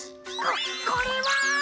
ここれは！